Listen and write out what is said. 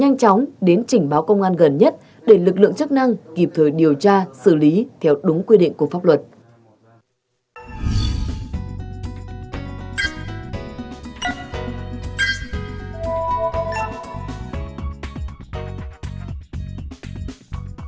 cảnh sát hình sự công an tp hải phòng đã triển khai nhiều biện pháp nghiệp vụ